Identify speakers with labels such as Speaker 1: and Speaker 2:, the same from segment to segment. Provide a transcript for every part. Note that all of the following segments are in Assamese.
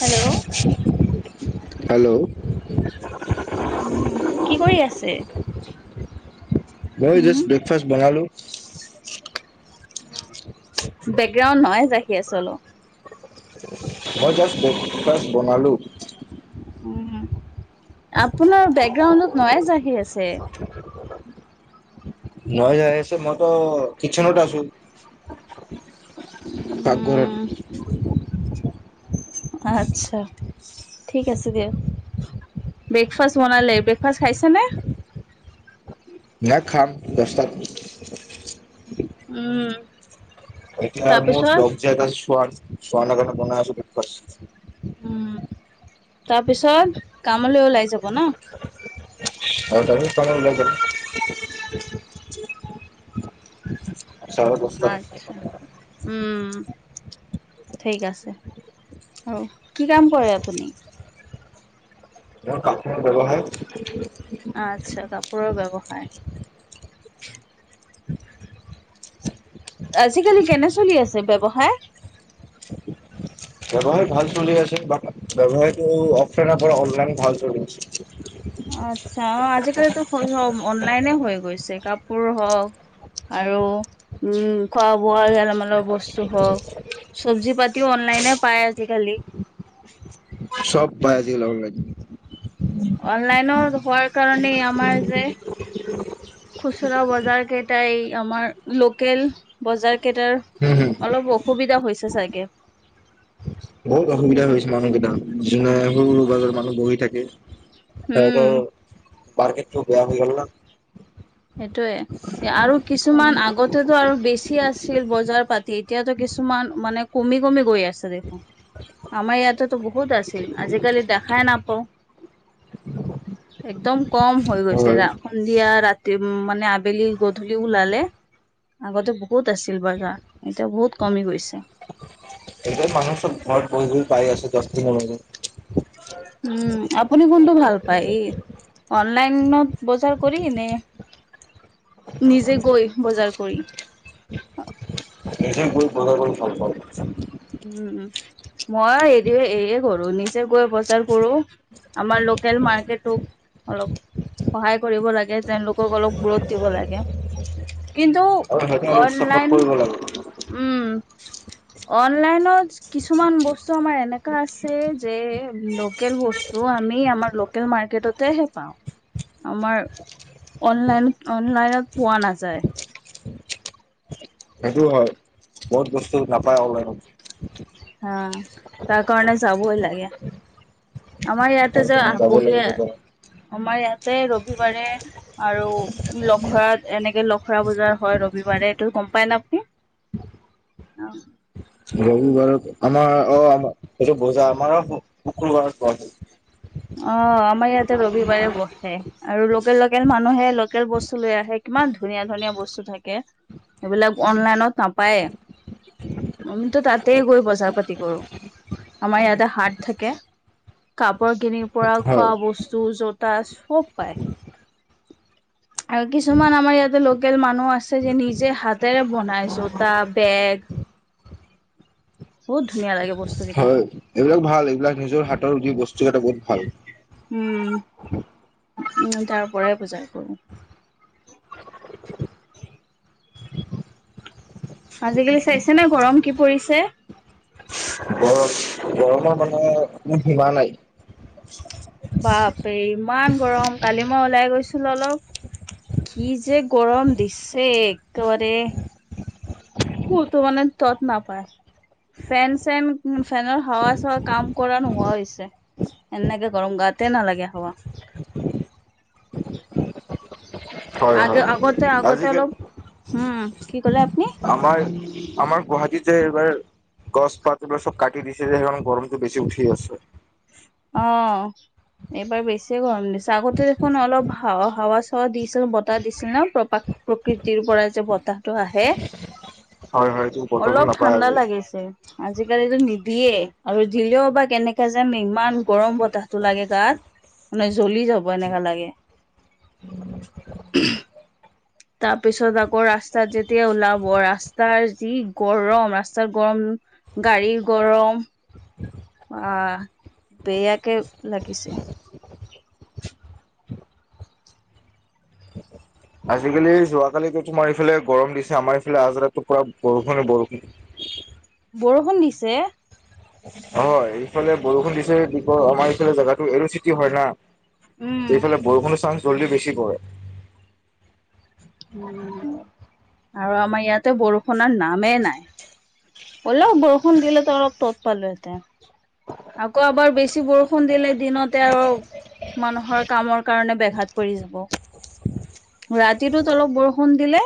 Speaker 1: হেল্ল'।
Speaker 2: হেল্ল'।
Speaker 1: উম, কি কৰি আছে?
Speaker 2: মই
Speaker 1: উম
Speaker 2: জাষ্ট ব্ৰেকফাষ্ট বনালো।
Speaker 1: বেকগ্ৰাউণ্ড নইজ আহি আছে অলপ।
Speaker 2: মই জাষ্ট ব্ৰেকফাষ্ট বনালোঁ।
Speaker 1: উম, আপোনাৰ বেকগ্ৰাউণ্ডত নইজ আহি আছে।
Speaker 2: নইজ আহি আছে, মইতো কিটচেনত আছো। পাকঘৰত।
Speaker 1: উম আচ্ছা ঠিক আছে দিয়া। ব্ৰেকফাষ্ট বনালে, ব্ৰেকফাষ্ট খাইছে নে?
Speaker 2: নাই খাম দচটাত।
Speaker 1: উম।
Speaker 2: এতিয়া মোৰ [unintelligible]
Speaker 1: তাৰপিছত
Speaker 2: কাৰণে বনাই আছোঁ ব্ৰেকফাষ্ট।
Speaker 1: উম, তাৰপিছত কামলৈ ওলাই যাব ন?
Speaker 2: [unintelligible] চাৰে দহটাত
Speaker 1: আচ্ছা, উম। ঠিক আছে, আৰু কি কাম কৰে আপুনি?
Speaker 2: মোৰ কাপোৰৰ ব্যৱসায়
Speaker 1: আচ্ছা কাপ কাপোৰৰ ব্যৱসায়। আজিকালি কেনে চলি আছে ব্যৱসায়?
Speaker 2: ব্যৱসায় ভাল চলি আছে, ব্যৱসায়টো অফলাইনৰ পৰা অনলাইন ভাল চলি আছে।
Speaker 1: আচ্ছা অ', আজিকালিতো অনলাইনে হৈ গৈছে কাপোৰ হওক আৰু উম, খোৱা বোৱা, গেলামালৰ বস্তু হওক চব্জি পাতিও অনলাইনে পায় আজি কালি।
Speaker 2: চব পায় আজিকালি,
Speaker 1: অনলাইনৰ হোৱাৰ কাৰণেই আমাৰ যে, খুচুৰা বজাৰ কেইতাই আমাৰ লোকেল, বজাৰ কেইটাৰ
Speaker 2: হম হম
Speaker 1: অলপ অসুবিধা হৈছে চাগে।
Speaker 2: বহুত অসুবিধা হৈছে মানুহকেইটা, যেনে সৰু সৰুবাগত মানুহ বহি থাকে।
Speaker 1: উম
Speaker 2: তেনেকে মাৰ্কেট টো বেয়া হৈ গল না।
Speaker 1: সেইটোয়ে আৰু কিছুমান আগত, সেইটো আৰু বেছি আছিল বজাৰ পাতি এতিয়াতো, কিছুমান মানে কমি কমি গৈ আছে। আমাৰ ইয়াতেতো বহুত আছিল আজিকালি দেখাই নাপাও। একদম কম হৈ গৈছে,
Speaker 2: হয়
Speaker 1: সন্ধিয়া ৰাতি। মানে আবেলি গধূলি ওলালে, আগতে বহুত আছিল বজাৰ। এতিয়া বহুত কমি গৈছে।
Speaker 2: এতিয়া মানুহ চব ঘৰত বহি বহি পাই আছে দশ [unintelligible]
Speaker 1: উম, আপুনি কোনটো ভাল পায়? এই অনলাইনত বজাৰ কৰি নে, নিজে গৈ বজাৰ কৰি।
Speaker 2: নিজে গৈ বজাৰ কৰি ভাল পাওঁ।
Speaker 1: উম, মই হেৰি এই ঘৰ নিজে গৈ বজাৰ কৰোঁ। আমাৰ লোকেল মাৰ্কেটোক অলপ সহায় কৰিব লাগে। তেওঁলোকক অলপ গুৰুত দিব লাগে। কিন্তু
Speaker 2: আৰু সেইটো অলপ চাপৰ্ট
Speaker 1: অনলাইন,
Speaker 2: কৰিব লাগে
Speaker 1: উম। অনলাইনত কিছুমান বস্তু আমাৰ এনেকা আছে যে, লোকেল বস্তু আমি আমাৰ লোকেল মাৰ্কেটহে পাওঁ। আমাৰ অনলাইন অনলাইনত পোৱা নাযায়।
Speaker 2: সেইটো হয়, বহুত বস্তু নাপায় অনলাইনত।
Speaker 1: হা, তাৰ কাৰণে যাবই লাগে। আমাৰ ইয়াতে যে আহ
Speaker 2: যাব
Speaker 1: বহে
Speaker 2: লাগে বজাৰত
Speaker 1: আমাৰ ইয়াতে ৰবিবাৰে। আৰু, লখৰা এনেকে লখৰা বজাৰ হয়, ৰবিবাৰে এইটো গম পায় নে আপুনি? অহ।
Speaker 2: ৰবিবাৰত আমাৰ অ আমাৰ এইটো বজাৰ আমাৰ শুকুৰবাৰে হয়।
Speaker 1: অ আমাৰ ইয়াতে ৰবিবাৰে বহে আৰু লোকেল লোকেল মানুহে লোকেল বস্তু লৈ আহে। কিমান ধুনীয়া ধুনীয়া বস্তু থাকে। সেইবিলাক অনলাইনত নাপায়। আমিতো তাতেই গৈ বজাৰ পাতি কৰো, আমাৰ ইয়াতে হাত থাকে। কাপোৰ কিনিৰ পৰা
Speaker 2: হয়
Speaker 1: খোৱা বস্তু জোতা, চব পাই। আৰু কিছুমান আমাৰ ইয়াতে লোকেল মানুহ আছে যি নিজে হাতেৰে বনাই, জোতা বেগ। বহুত ধুনীয়া লাগে বস্তু কেইটা
Speaker 2: হয়, এইবিলাক ভাল এইবিলাক নিজৰ হাতৰ যি বস্তু কেইটা বহুত ভাল।
Speaker 1: উম, তাৰ পৰাই বজাৰ কৰোঁ। আজিলৈ চাইছে নে গৰম কি পৰিছে।
Speaker 2: গৰম গৰমৰ মানে সীমা নাই।
Speaker 1: বাপৰে ইমান গৰম, কালি মই ওলাই গৈছিলো অলপ। কি যে গৰম দিছে একেবাৰে। কতো মানে ত নাপায়। ফেন চেন ফেনৰ হাৱা চাৱা কাম কৰা নোহোৱা হৈছে। এনেকে গৰম গাতে নালাগে হাওৱা।
Speaker 2: হয় হয়
Speaker 1: আগে আগতে আগতে
Speaker 2: আজিকালি
Speaker 1: অলপ হুম কি কলে আপুনি
Speaker 2: হয় আমাৰ গুৱাহাটীত যে এইবাৰ গছ পাত এইবাৰ চব কাটি দিছে যে সেইকাৰণে গৰমটো বেছি উঠি গৈছে
Speaker 1: অ এইবাৰ বেছিয়ে গৰম দিছে আগতে দেখোন অলপ হাৱ হাৱা চাৱা দিছে বতাহ দিছিল ন প্ৰ প্ৰকৃতিৰ পৰা যে বতাহটো আহে
Speaker 2: হয় হয় এইটো বতৰটো
Speaker 1: অলপ
Speaker 2: নাপায়
Speaker 1: ঠাণ্ডা
Speaker 2: আজি
Speaker 1: লাগিছে আজিকালিটো নিদিয়ে আৰু দিলেও বা কেনেকা যে ইমান গৰম বতাহটো লাগে গাত, মানে জ্বলি যাব এনেকা লাগে [unintelligible] তাৰপিছত আকৌ, ৰাস্তাত যেতিয়া ওলাব ৰাস্তাৰ যি গৰম ৰাস্তাৰ গৰম গাড়ীৰ গৰম
Speaker 2: [unintelligible]
Speaker 1: অ'বেয়াকে লাগিছে
Speaker 2: আজিকালি যোৱাকালিতো তোমাৰ ইফালে গৰম দিছে আমাৰ এইফালে আজি ৰাতিপুৱা বৰষুণে বৰষুণ
Speaker 1: বৰষুণ দিছে
Speaker 2: হয় এইফালে বৰষুণ দিছে কি কয় আমাৰ এইফালে জেগাত এমচিকিয়ো হয় না
Speaker 1: উম
Speaker 2: এই ফালে বৰষুণ চানছ হলে বেছি হয়
Speaker 1: উম, আৰু আমাৰ ইয়াতে বৰষুণৰ নামেই নাই হলেও বৰষুণ দিলেতো অলপ তত পালো হয় আকৌ আমাৰ বেছি বৰষুণ দিলে দিনতে আৰু মানুহৰ কামৰ কাৰণে বেঘাত পৰি যায় ৰাতিটোত অলপ বৰষুণ দিলে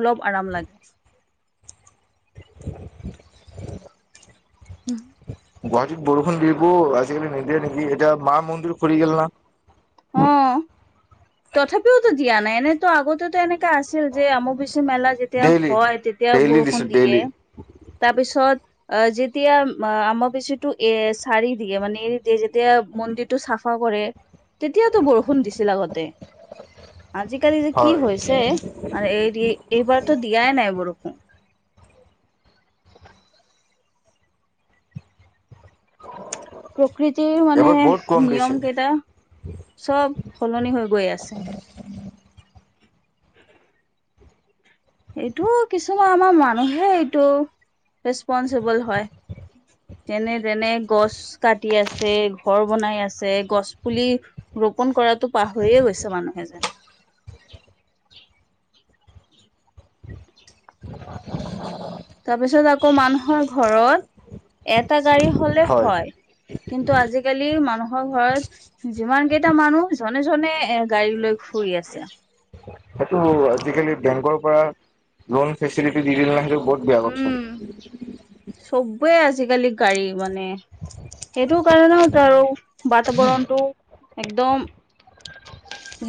Speaker 1: অলপ আৰাম লাগে [unintelligible]
Speaker 2: গুৱাহাটী বৰষুণ দিব আজিকালি নিদিয়ে নেকি এতিয়া মা মন্দিৰ পৰি গল না
Speaker 1: অ 'তথাপিওতো দিয়া নাই এনেতো আগতেতো এনে এটা আছিল যে অম্বুবাচী মেলা যেতিয়া
Speaker 2: ডেইলি
Speaker 1: হয় তেতিয়া
Speaker 2: ডেইলি
Speaker 1: বৰষুণ
Speaker 2: দিছে
Speaker 1: দিয়ে
Speaker 2: ডেইলি
Speaker 1: তাৰপিছত আ যেতিয়া আ অম্বুবাচীটো এ সাৰি দিয়ে মানে এৰি দিয়ে যেতিয়া মন্দিৰটো চাফা কৰে তেতিয়াতো বৰষুণ দিছিল আগতে আজিকালি যে কি
Speaker 2: হয়
Speaker 1: হৈছে আৰু এৰি এইবাৰতো দিয়াই নাই বৰষুণ প্ৰকৃতিৰ মানে
Speaker 2: এইবাৰ বহুত কম দিছে
Speaker 1: নিয়ম কেইটা চব সলনি হৈ গৈ আছে এইটো কিছুমান আমাৰ মানুহে এইটো ৰেচপনচিবল হয়! তেনে তেনে গছ কাটি আছে, ঘৰ বনাই আছে, গছ পুলি ৰোপন কৰাটো পাহৰিয়ে গৈছে মানুহে যেন
Speaker 2: [unintelligible]
Speaker 1: তাৰ পিছত আকৌ মানুহৰ ঘৰত এটা গাড়ী হলে হয়! কিন্তু, আজিকালি মানুহৰ ঘৰত যিমান কেইটা মানুহ মানুহজনে এ গাড়ী লৈ ঘুৰি আছে
Speaker 2: সেইটো আজিকালি বেংকৰ পৰা লোন ফেচিলিটি দি দিলে নহয় সেইটো বহুত বেয়া কথা!
Speaker 1: চবে আজিকালি গাড়ী মানে সেইটো কাৰণেওতো আৰু বাতাবৰণটো একদম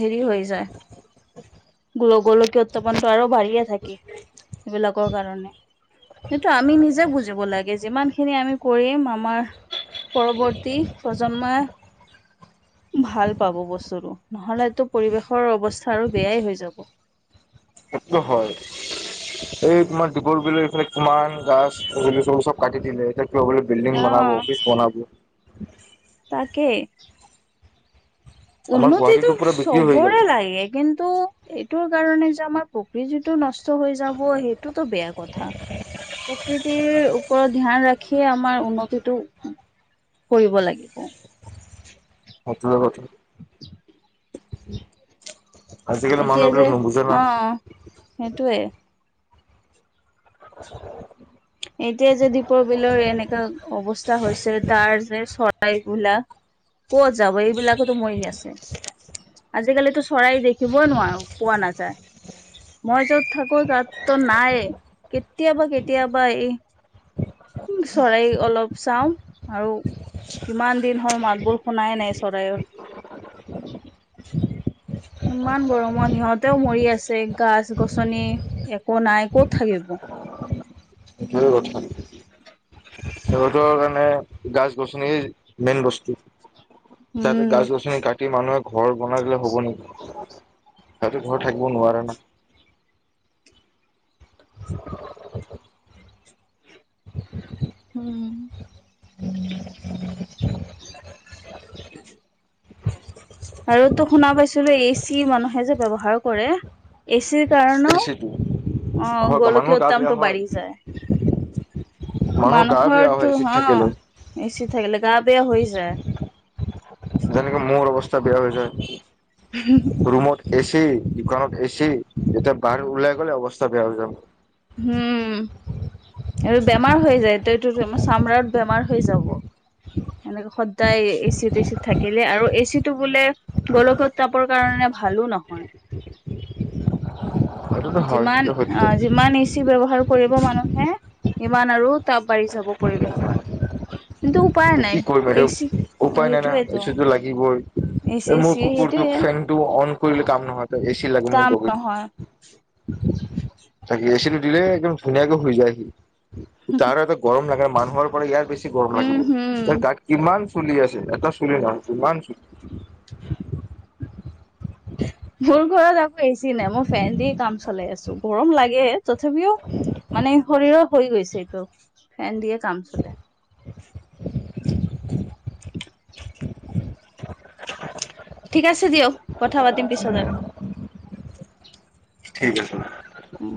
Speaker 1: হেৰি হৈ যায় গো গোলকীয় উত্থাপনটো আৰু বাঢ়িয়ে থাকে, সেইবিলাকৰ কাৰণে। সেইটো আমি নিজে বুজিব লাগে, যিমান খিনি আমি কৰিম আমাৰ পৰৱৰ্তী প্ৰজন্মই ভাল পাব বস্তুতো, নহলেটো পৰিৱেশৰ অৱস্থা আৰু বেয়াই হৈ যাব।
Speaker 2: সেইটোত হয়, এই তোমাৰ দ্বীপৰ বিলৰ এইফালে তোমাৰ। গাছ চব কাটি দিলে, এতিয়া বিল্ডিং বনাব, অফিচ বনাব।
Speaker 1: তাকে।
Speaker 2: আমাৰ
Speaker 1: উন্নতিটো
Speaker 2: গুৱাহাটীতো পুৰা বিক্ৰী হৈ গ'ল
Speaker 1: চবৰে লাগে, কিন টো এইটোৰ কাৰণে যে আমাৰ প্ৰকৃতিটো নষ্ট হৈ যাব, সেইটোত বেয়া কথা। প্ৰকৃতিৰ ওপৰত ধ্যান ৰাখিয়ে, আমাৰ উন্নতিটো কৰিব লাগিব।
Speaker 2: [unintelligible]
Speaker 1: [unintelligible]
Speaker 2: আজিকালি
Speaker 1: এতিয়া
Speaker 2: মানুহবিলাক
Speaker 1: যে,
Speaker 2: নুবুজে না
Speaker 1: অ' সেটোৱে। [unintelligible] এতিয়া যে দ্বীপৰ বিলৰ এনেকা অৱস্থা হৈছে, তাৰ যে চৰাই বিলাক ক'ত যাব? এইবিলাকোতো মৰি আছে। আজিকালিটো চৰাই দেখিবই নোৱাৰোঁ, পোৱা নাযায়। মই য'ত থাকোঁ, তাত ত নাইয়ে, কেতিয়াবা, কেতিয়াবা এই চৰাই অলপ চাওঁ আৰু। কিমান দিন হ'ল, মাত বোল শুনাই নাই চৰাই অৰ।
Speaker 2: [unintelligible]
Speaker 1: ইমান গৰমত সিহঁতেও মৰি আছে, গাছ-গছনি। একো নাই, ক'ত থাকিব?
Speaker 2: সেইটোৱে কথা সিহঁতৰ কাৰণে গাছ-গছনি মেইন বস্তু, যাতে
Speaker 1: উম
Speaker 2: গাছ-গছনি কাটি মানুহে বনাই দিলে হ'ব নেকি? সিহঁতে ঘৰ থাকিব নোৱাৰে না। [unintelligible]
Speaker 1: [unintelligible] আৰু টো শুনা পাইছিলো, এ চি মানুহে যে ব্যৱহাৰ কৰে। এচিৰ কাৰণেও,
Speaker 2: এচিটো হয় মানুহৰ
Speaker 1: অ'গোলকীয়া
Speaker 2: গা বেয়া
Speaker 1: উত্তামটো
Speaker 2: হয়
Speaker 1: বাঢ়ি যায়।
Speaker 2: [unintelligible] মানুহৰ গা বেয়া হয়
Speaker 1: মানুহৰটো
Speaker 2: এচিত থাকিলে
Speaker 1: অ', এ চি থাকিলে, গা বেয়া হৈ যায়।
Speaker 2: যেনেকে মোৰ অৱস্থা বেয়া হৈ যায়, ৰুমত। এ চি, দোকানত এ চি, যেতিয়া বাহিৰত ওলাই গ'লে অৱস্থা বেয়া হৈ যাব।
Speaker 1: হুম। এইটোত বেমাৰ হৈ যায় টো, এইটো তো চামৰাত বেমাৰ হৈ যাব। এনেকে সদায় এ চি টেচিত থাকিলে, আৰু এ চিটো বোলে গোলকীয় উত্তাপৰ কাৰণে ভালো নহয়।
Speaker 2: সেইটোতো হয়
Speaker 1: যিমান
Speaker 2: সেইটো
Speaker 1: অ',
Speaker 2: সত্য
Speaker 1: যিমান এ চি ব্যৱহাৰ কৰিব মানুহে, সিমান আৰু তাপ বাঢ়ি যাব পৰিৱেশৰ। কিন্তু উপায়
Speaker 2: এতিয়া
Speaker 1: নাই
Speaker 2: কি কৰিবা,
Speaker 1: এচি
Speaker 2: এতিয়া
Speaker 1: অ
Speaker 2: উপায় নাই না, এ
Speaker 1: সেইটোয়েতো
Speaker 2: চিটো লাগিবই।
Speaker 1: এচি
Speaker 2: এ, মোৰ
Speaker 1: এচি
Speaker 2: কুকুৰটোক,
Speaker 1: সেইটোয়ে
Speaker 2: ফেনটো অন কৰিলে কাম নহয়, তাক এ চি লাগে মোৰ
Speaker 1: কাম
Speaker 2: দগীটোক।
Speaker 1: নহয় [unintelligible]
Speaker 2: তাক এ চি টো দিলে, একদম ধুনীয়াকে শুই যায় সি। তাৰ এটা গৰম লাগে মানুহৰ পৰা ইয়াৰ বেছি গৰম
Speaker 1: উম
Speaker 2: লাগিবই,
Speaker 1: হম
Speaker 2: তাৰ গাত কিমান চুলি আছে, এটা চুলি নহয় কিমান চুলি।
Speaker 1: মোৰ ঘৰত আকৌ এচি নাই, মই ফেন দি কাম চলাই আছোঁ। গৰম লাগে, তথাপিও মানে শৰীৰৰ হৈ গৈছে এইটো, ফেন দিয়ে কাম চলে।
Speaker 2: [inaudible]
Speaker 1: ঠিক আছে দিয়ক, কথা পাতিম পিছত আৰু
Speaker 2: ঠিক আছে
Speaker 1: উম।